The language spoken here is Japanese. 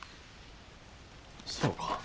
そうか。